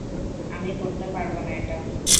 আমি করতে পারবো না এটা।